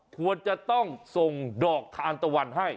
ควรจะต้องส่งดอกทานตะวันให้